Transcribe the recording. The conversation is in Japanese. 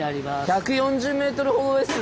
１４０ｍほどですって。